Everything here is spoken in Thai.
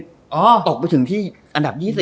ตกไปถึงที่อันดับ๒๐